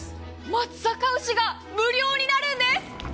松阪牛が無料になるんです。